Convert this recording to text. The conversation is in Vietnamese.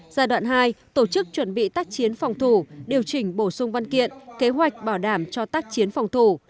giai đoạn hai tổ chức chuẩn bị tác chiến phòng thủ điều chỉnh bổ sung văn kiện kế hoạch bảo đảm cho tác chiến phòng thủ